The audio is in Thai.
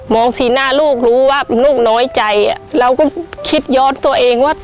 สีหน้าลูกรู้ว่าลูกน้อยใจเราก็คิดย้อนตัวเองว่า